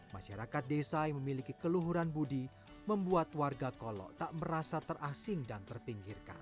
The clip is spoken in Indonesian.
masyarakat desa yang memiliki keluhuran budi membuat warga kolok tak merasa terasing dan terpinggirkan